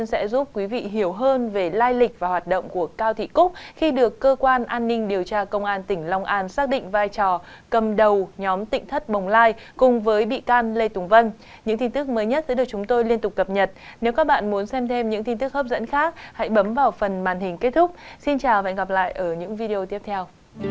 xin chào và hẹn gặp lại ở những video tiếp theo